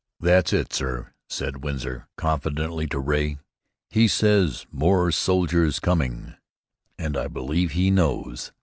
"That's it, sir," said Winsor, confidently to Ray. "He says 'more soldiers coming,' and I believe he knows."